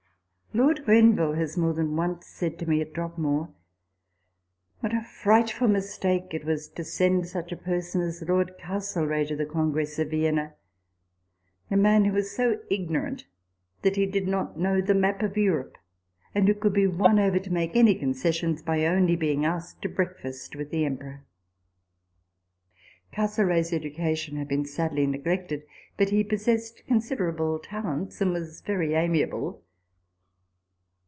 Lord Grenville has more than once said to me at Dropmore, " What a frightful mistake it was to send such a person as Lord Castlereagh to the Congress of Vienna ! a man who was so ignorant, that he did not know the map of Europe ; and who could be won over to make any concessions by only being asked to breakfast with the Emperor." Castlereagh's education had been sadly neglected ; TABLE TALK OF SAMUEL ROGERS 199 but he possessed considerable talents, and was very amiable.